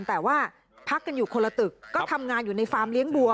แต่ว่าพักกันอยู่คนละตึกก็ทำงานอยู่ในฟาร์มเลี้ยงบัว